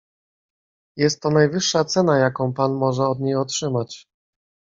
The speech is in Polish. "Jest to najwyższa cena, jaką pan może od niej otrzymać."